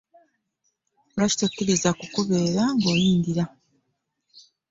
Lwaki tokiriza kukukebera nga oyingira?